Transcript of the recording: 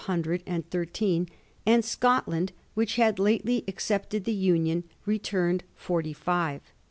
hundred and thirteen, and Scotland, which had lately accepted the union, returned forty five.